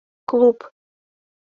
Клуб.